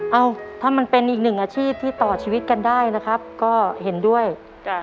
เอ้าถ้ามันเป็นอีกหนึ่งอาชีพที่ต่อชีวิตกันได้นะครับก็เห็นด้วยจ้ะ